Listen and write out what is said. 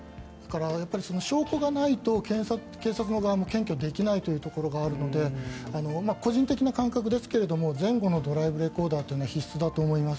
その証拠がないと警察側も検挙できないというところがあるので個人的な感覚ですが前後のドライブレコーダーは必須だと思います。